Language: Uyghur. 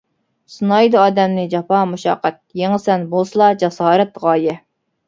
سىنايدۇ ئادەمنى جاپا-مۇشەققەت، يېڭىسەن بولسىلا جاسارەت، غايە.